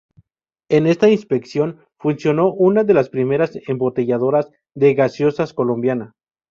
En esta Inspección funciono una de las primeras embotelladoras de gaseosas Colombiana.